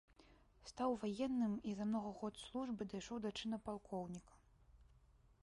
Стаў ваенным і за многа год службы дайшоў да чына палкоўніка.